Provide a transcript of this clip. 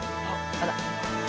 あら。